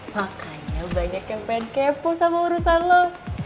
makanya banyak yang pengen kepo sama urusan lo